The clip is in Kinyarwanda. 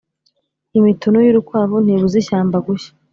Imitunu y’urukwavu ntibuza ishyamba gushya.